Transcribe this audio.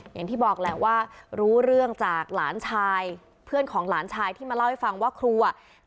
อย่างที่บอกแหละว่ารู้เรื่องจากหลานชายเพื่อนของหลานชายที่มาเล่าให้ฟังว่าครูอ่ะ